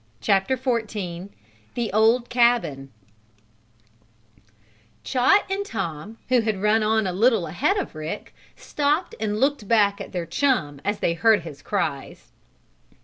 CHAPTER XIV THE OLD CABIN Chot and Tom, who had run on a little ahead of Rick, stopped and looked back at their chum as they heard his cries.